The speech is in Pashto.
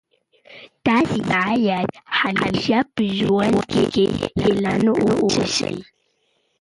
تاسي باید همېشه په ژوند کي هیله من اوسئ.